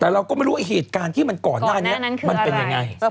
แต่เราก็ไม่รู้ว่าเหตุการณ์ที่มันก่อนหน้านี้มันเป็นยังไง